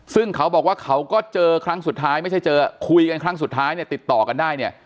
ซึ่งเขาบอกว่าเขาก็เจอครั้งสุดท้ายไม่ใช่เจอคุยกันครั้งสุดท้ายเนี่ยติดต่อกันได้เนี่ย